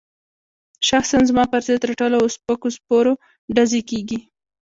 شخصاً زما پر ضد رټلو او سپکو سپور ډزې کېږي.